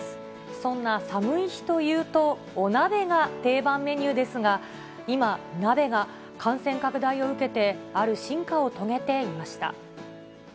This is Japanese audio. そんな寒い日というと、お鍋が定番メニューですが、今、鍋が感染拡大を受けて、ある進化を遂げていました。